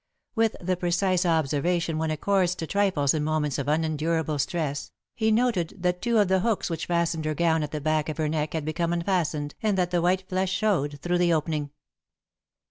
With the precise observation one accords to trifles in moments of unendurable stress, he noted that two of the hooks which fastened her gown at the back of her neck had become unfastened and that the white flesh showed through the opening.